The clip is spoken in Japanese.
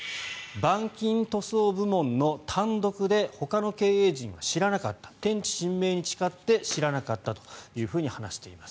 板金塗装部門の単独でほかの経営陣は知らなかった天地神明に誓って知らなかったと話しています。